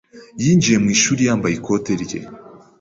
Yinjiye mu ishuri yambaye ikote rye.